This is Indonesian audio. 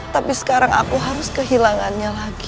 tapi sekarang aku harus kehilangannya lagi